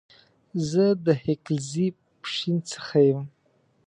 زه د هيکلزئ ، پښين سخه يم